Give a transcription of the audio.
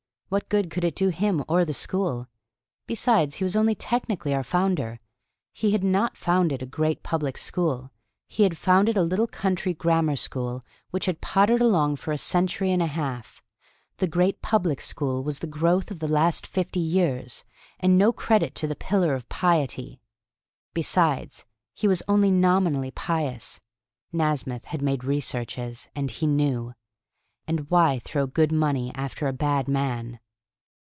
What good could it do him or the school? Besides, he was only technically our founder. He had not founded a great public school. He had founded a little country grammar school which had pottered along for a century and a half. The great public school was the growth of the last fifty years, and no credit to the pillar of piety. Besides, he was only nominally pious. Nasmyth had made researches, and he knew. And why throw good money after a bad man?